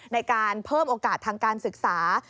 ในการเพิ่มโอกาสทางการศึกษา